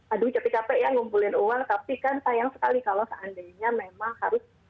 aduh capek capek ya ngumpulin uang tapi kan sayang sekali kalau seandainya memang harus